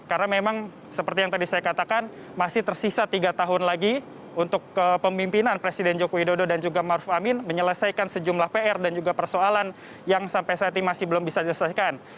karena memang seperti yang tadi saya katakan masih tersisa tiga tahun lagi untuk pemimpinan presiden joko widodo dan juga maruf amin menyelesaikan sejumlah pr dan juga persoalan yang sampai saat ini masih belum bisa diselesaikan